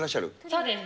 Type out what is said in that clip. そうです。